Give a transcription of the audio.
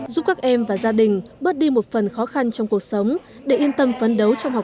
giúp các em và gia đình bớt đi một phần khó khăn trong cuộc sống để yên tâm phấn đấu trong học